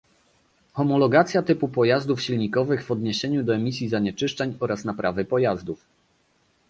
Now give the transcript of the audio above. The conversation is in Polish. Homologacja typu pojazdów silnikowych w odniesieniu do emisji zanieczyszczeń oraz naprawy pojazdów